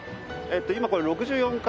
今これ６４階。